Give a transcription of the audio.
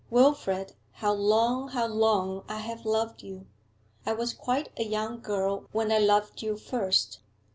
Wilfrid, how long, how long I have loved you! I was quite a young girl when I loved you first.